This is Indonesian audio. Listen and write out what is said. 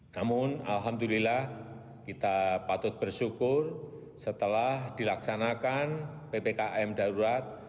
namun alhamdulillah kita patut bersyukur setelah dilaksanakan ppkm darurat